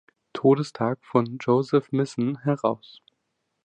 Todestag von Joseph Misson heraus.